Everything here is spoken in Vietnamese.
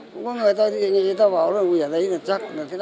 có người ta thì người ta bỏ ra